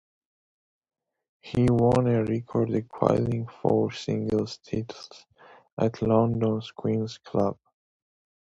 He won a record-equalling four singles titles at London's Queen's Club.